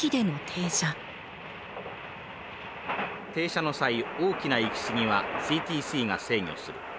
停車の際大きな行き過ぎはＣＴＣが制御する。